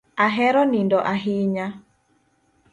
Ahero nindo ahinya